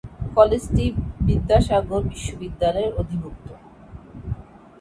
কলেজটি বিদ্যাসাগর বিশ্ববিদ্যালয়ের অধিভুক্ত।